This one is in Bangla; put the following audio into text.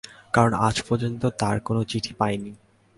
কারণ আজ পর্যন্ত তাঁর কোন চিঠি পাইনি।